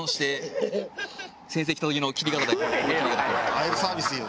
だいぶサービスいいよ。